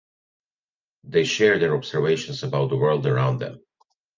They share their observations about the world around them.